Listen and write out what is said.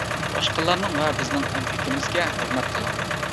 باشقىلارنىڭ ۋە بىزنىڭ ئەمگىكىمىزگە ھۆرمەت قىلىڭ!